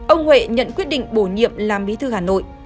ông huệ nhận quyết định bổ nhiệm làm bí thư hà nội